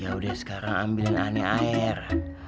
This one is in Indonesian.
yaudah sekarang ambilin ini air